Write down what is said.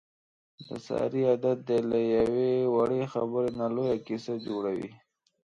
د سارې عادت دی له یوې وړې خبرې نه لویه کیسه جوړوي.